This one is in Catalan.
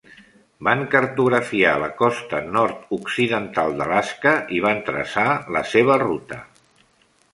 Van cartografiar la costa nord-occidental d'Alaska i van traçar la seva ruta.